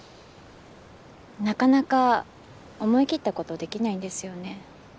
なかなか思い切った事できないんですよね。